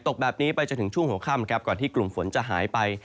ตกแบบนี้ไปจนถึงช่วงหัวค่ำครับก่อนที่กลุ่มฝนจะหายไป